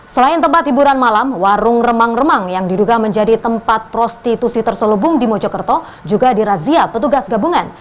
selain tempat hiburan malam warung remang remang yang diduga menjadi tempat prostitusi terselubung di mojokerto juga dirazia petugas gabungan